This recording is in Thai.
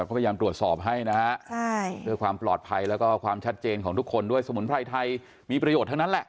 ก็พยายามตรวจสอบให้นะฮะเพื่อความปลอดภัยแล้วก็ความชัดเจนของทุกคนด้วยสมุนไพรไทยมีประโยชน์ทั้งนั้นแหละ